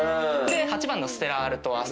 で８番のステラアルトワ。